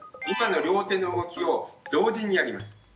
今の両手の動きを同時にやります。